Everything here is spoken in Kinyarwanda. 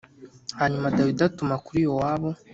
Hanyuma Dawidi atuma kuri Yowabu